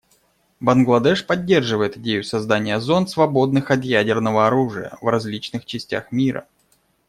Бангладеш поддерживает идею создания зон, свободных от ядерного оружия, в различных частях мира.